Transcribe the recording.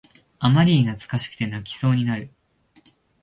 あまりに懐かしくて泣きそうになる